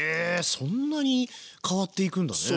そんなに変わっていくんだね。